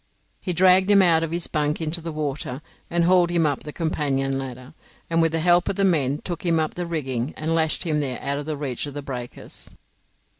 He dragged him out of his bunk into the water, and hauled him up the companion ladder, and with the help of the men took him up the rigging, and lashed him there out of reach of the breakers.